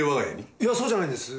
いやそうじゃないんです！